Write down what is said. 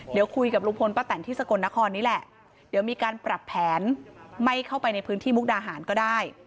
เดี๋ยวคุยกับลุงพลป้าแตนที่สกลนครนี้แหละเดี๋ยวมีการปรับแผนไม่เข้าไปในพื้นที่มุกดาหารก็ได้